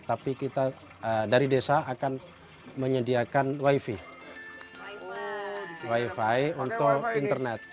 tapi kita dari desa akan menyediakan wifi untuk internet